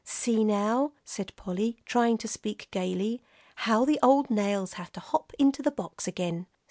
"See, now," said Polly, trying to speak gayly, "how the old nails have to hop into the box again."